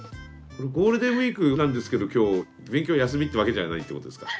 ゴールデンウイークなんですけど今日勉強休みってわけじゃないってことですか？